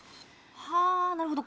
はあなるほど。